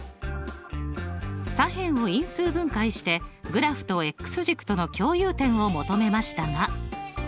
左辺を因数分解してグラフと軸との共有点を求めましたが。